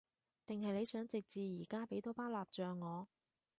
定係你想直接而家畀多包辣醬我？